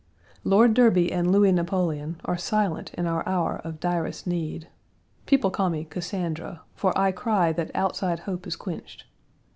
Lord Derby and Louis Napoleon are silent in our hour of direst need. People call me Cassandra, for I cry that outside hope is quenched.